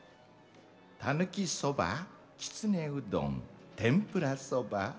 「たぬきそばきつねうどん天ぷらそば」。